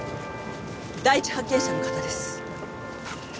第一発見者の方です。